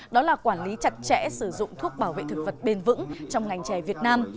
đó là quản lý chặt chẽ sử dụng thuốc bảo vệ thực vật bền vững trong ngành trè việt nam